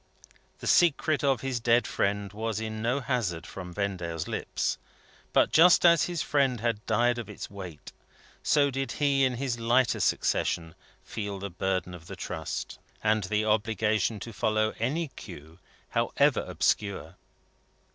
The secret of his dead friend was in no hazard from Vendale's lips; but just as his friend had died of its weight, so did he in his lighter succession feel the burden of the trust, and the obligation to follow any clue, however obscure.